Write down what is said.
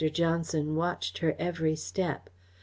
Johnson watched her every step.